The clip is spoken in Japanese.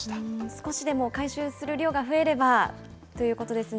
少しでも回収する量が増えればということですね。